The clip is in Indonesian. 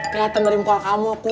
kenyataan dari muka kamu